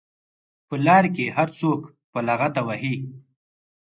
په لار کې هر څوک په لغته وهي.